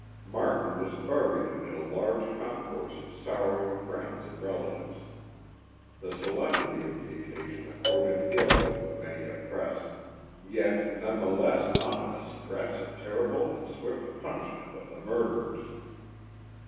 Martin was buried amid a large concourse of sorrowing friends and relatives. The solemnity of the occasion accorded ill with the many suppressed, yet none the less ominous threats of terrible and swift punishment of the murderers.